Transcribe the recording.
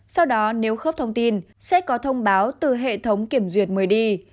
sau đó nếu khớp thông tin sẽ có thông báo từ hệ thống kiểm duyệt mới đi